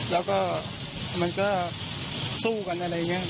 แล้วก็สู้กันอะไรเนี่ย